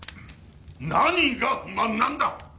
何が不満なんだ？